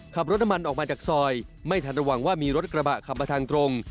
ขับรถน้ำมันออกมาจากซอยไม่ทันระวังว่ามีรถกระบะขับมาทางตรง